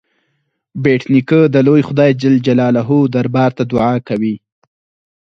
بېټ نیکه د لوی خدای جل جلاله دربار ته دعا کوي.